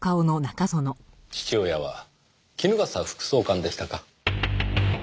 父親は衣笠副総監でしたか。